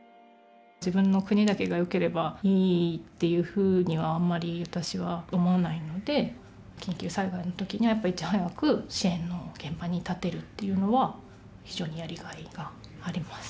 自分の国だけがよければいいっていうふうにはあんまり私は思わないので緊急災害の時にはやっぱいち早く支援の現場に立てるっていうのは非常にやりがいがあります。